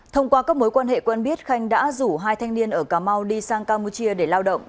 thông qua các mối quan hệ quen biết khanh đã rủ hai thanh niên ở cà mau đi sang campuchia để lao động